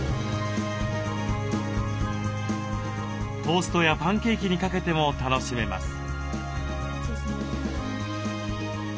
トーストやパンケーキにかけても楽しめます。